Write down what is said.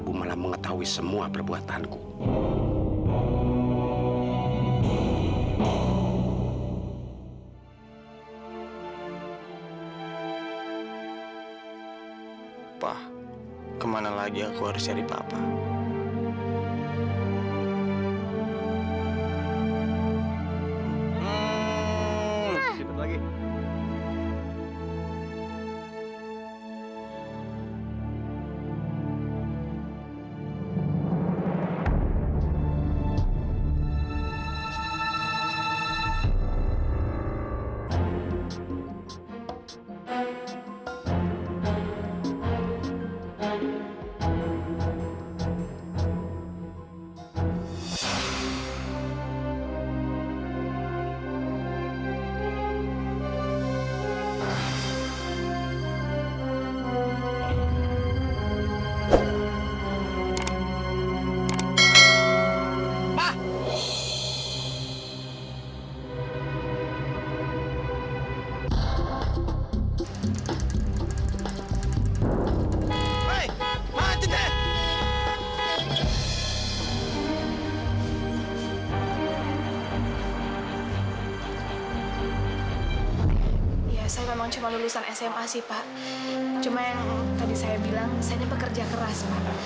cuma yang tadi saya bilang saya pekerja keras pak